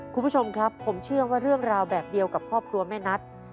คุณผู้ชมครับผมเชื่อว่าเรื่องราวแบบเดียวกับครอบครัวแม่นัท